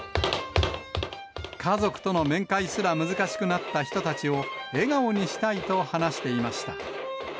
家族との面会すら難しくなった人たちを、笑顔にしたいと話していました。